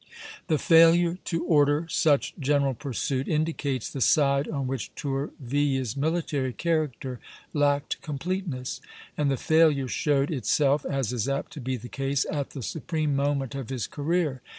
The failure to order such general pursuit indicates the side on which Tourville's military character lacked completeness; and the failure showed itself, as is apt to be the case, at the supreme moment of his career.